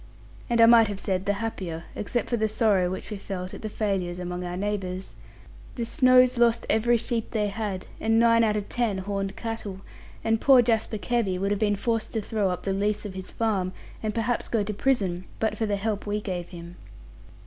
And I might have said the happier, except for the sorrow which we felt at the failures among our neighbours. The Snowes lost every sheep they had, and nine out of ten horned cattle; and poor Jasper Kebby would have been forced to throw up the lease of his farm, and perhaps to go to prison, but for the help we gave him.